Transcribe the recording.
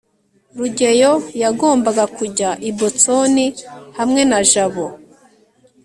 rugeyo yagombaga kujya i boston hamwe na jabo